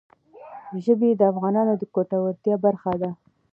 ژبې د افغانانو د ګټورتیا برخه ده.